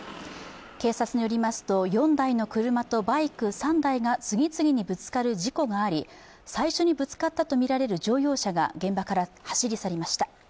警察によりますと４台の車とバイク３台が次々にぶつかる事故があり最初にぶつかったとみられる乗用車が現場から走り去りました。